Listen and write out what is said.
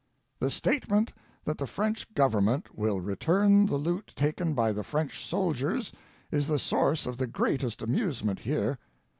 "The statement that the French Government will return the loot taken by the French soldiers, is the source of the greatest amusement here.